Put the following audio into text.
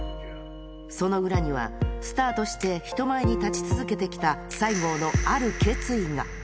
その裏には、スターとして人前に立ち続けてきた西郷のある決意が。